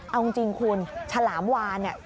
เอาจริงคุณฉลามวานเนี่ย